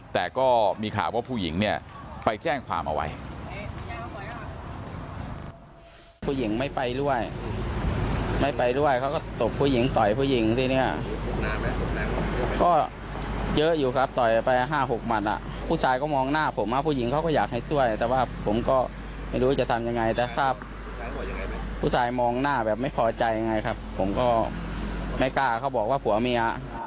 แต่ก็มีข่าวว่าผู้หญิงเนี่ยไปแจ้งความเอาไว้